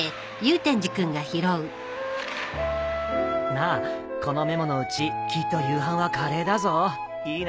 なあこのメモのうちきっと夕飯はカレーだぞいいな。